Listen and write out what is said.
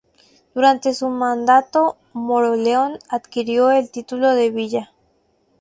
Durante su mandato Moroleón adquirió el título de Villa.